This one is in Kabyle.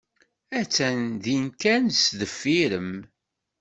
Attan din kan sdeffir-m.